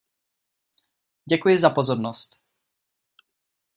Děkuji za pozornost.